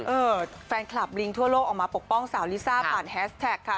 เออแฟนคลับลิงทั่วโลกออกมาปกป้องสาวลิซ่าผ่านแฮสแท็กค่ะ